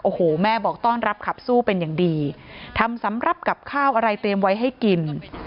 โอ้โหแม่บอกต้อนรับขับสู้เป็นอย่างดีทำสำหรับกับข้าวอะไรเตรียมไว้ให้กิน